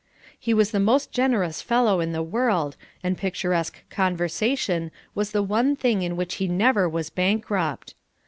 He was the most generous fellow in the world, and picturesque conversation was the one thing in which he never was bankrupt.